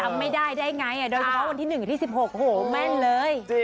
ไม่ได้ได้ไงโดยเฉพาะวันที่๑ที่๑๖โหแม่นเลย